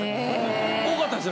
多かったですよね？